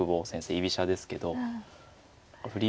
居飛車ですけど振り